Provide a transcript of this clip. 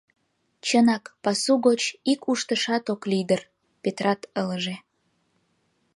— Чынак, пасу гоч ик уштышат ок лий дыр, — Петрат ылыже.